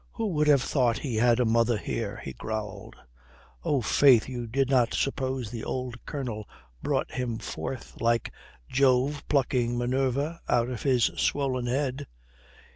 "Who would have thought he had a mother here?" he growled. "Oh, faith, you did not suppose the old Colonel brought him forth like Jove plucking Minerva out of his swollen head."